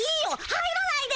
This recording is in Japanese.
入らないで。